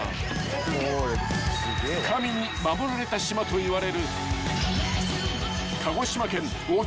［神に守られた島といわれる］